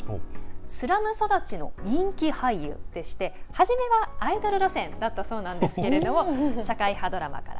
スラム育ちの人気俳優でして初めはアイドル路線だったそうなんですけれども社会派ドラマから